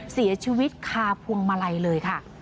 เสียชีวิตคาพวงมาลัยเลยค่ะ